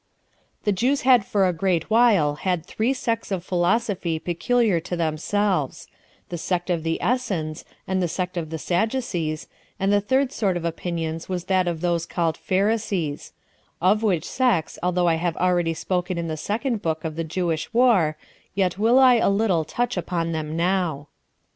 2. The Jews had for a great while had three sects of philosophy peculiar to themselves; the sect of the Essens, and the sect of the Sadducees, and the third sort of opinions was that of those called Pharisees; of which sects, although I have already spoken in the second book of the Jewish War, yet will I a little touch upon them now.